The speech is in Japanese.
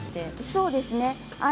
そうですね。